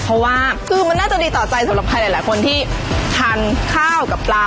เพราะว่าคือมันน่าจะดีต่อใจสำหรับใครหลายคนที่ทานข้าวกับปลา